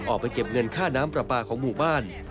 ออกไปเก็บเงินค่าน้ำปลาปลาของหมู่บ้าน